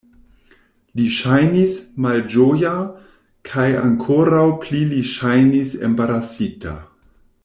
Li ŝajnis malĝoja kaj ankoraŭ pli li ŝajnis embarasita.